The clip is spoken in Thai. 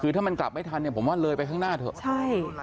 คือถ้ามันกลับไม่ทันเนี่ยผมว่าเลยไปข้างหน้าเถอะใช่